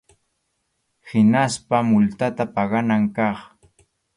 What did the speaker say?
Hinaspa multata paganan kaq.